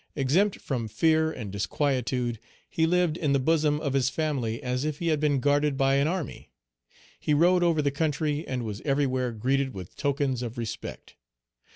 Exempt from fear and disquietude, he lived in the bosom of his family as if he had been guarded by an army. He rode over the country, and was everywhere greeted with tokens of respect.